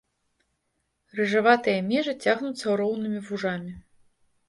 Рыжаватыя межы цягнуцца роўнымі вужамі.